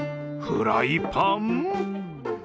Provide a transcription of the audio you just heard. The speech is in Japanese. フライパン？